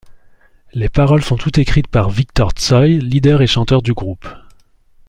Les paroles sont toutes écrites par Victor Tsoï, leader et chanteur du groupe.